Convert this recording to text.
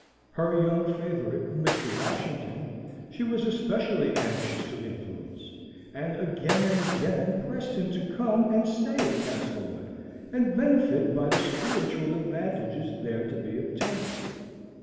Her young favourite, Mr. Washington, she was especially anxious to influence; and again and again pressed him to come and stay at Castlewood and benefit by the spiritual advantages there to be obtained.